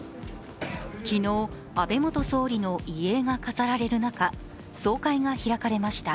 昨日安倍元総理の遺影が飾られる中、総会が開かれました。